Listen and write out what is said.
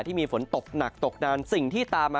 ที่มีฝนตกหนักตกนานสิ่งที่ตามมา